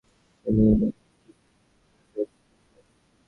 ঠিক এভাবে, বুঝলে?